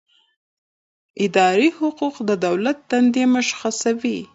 اداري حقوق د دولت دندې مشخصوي.